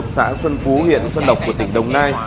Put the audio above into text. xã xuân phú huyện xuân độc của tỉnh đồng nai